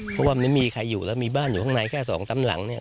เพราะว่าไม่มีใครอยู่แล้วมีบ้านอยู่ข้างในแค่๒๓หลังเนี่ย